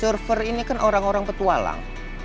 server ini kan orang orang petualang